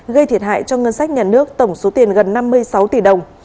gây thiệt hại cho ngân sách nhà nước tổng số tiền gần năm mươi sáu tỷ đồng